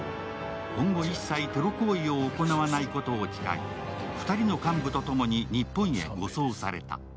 今後一切テロ行為を行わないことを誓い、２人の幹部とともに日本へ護送された。